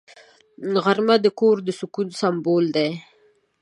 غرمه د کور د سکون سمبول دی